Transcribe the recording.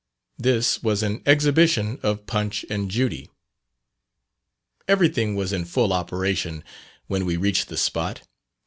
This was an exhibition of "Punch and Judy." Everything was in full operation when we reached the spot.